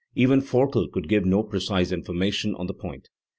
Even Forkel could give no precise information on the point.